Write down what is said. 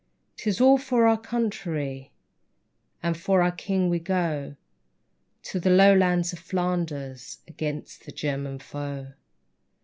'Tis all for our Counterie And for our King we go To the Lowlands of Flanders Against the German foe.